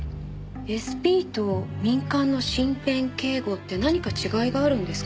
ＳＰと民間の身辺警護って何か違いがあるんですか？